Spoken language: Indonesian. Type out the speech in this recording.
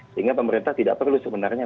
sehingga pemerintah tidak perlu sebenarnya